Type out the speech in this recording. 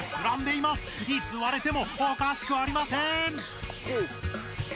いつ割れてもおかしくありません！